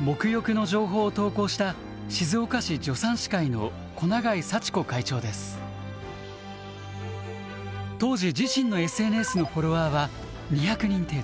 もく浴の情報を投稿した当時自身のＳＮＳのフォロワーは２００人程度。